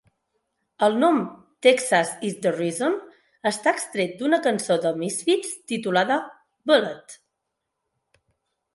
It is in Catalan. El nom "Texas Is the Reason" està extret d'una cançó de Misfits, titulada "Bullet".